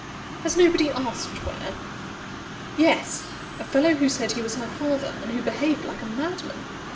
"Has nobody asked where?" "Yes; a fellow who said he was her father, and who behaved like a madman.